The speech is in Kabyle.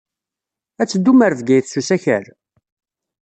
Ad teddum ɣer Bgayet s usakal?